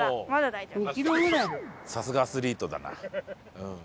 さすがアスリートだなうん。